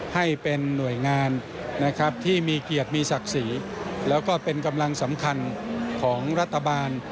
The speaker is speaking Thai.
ให้เป็นหน่วยงานนะครับที่มีเกียรติมีศักดิ์ศรีแล้วก็เป็นกำลังสำคัญของรัฐบาล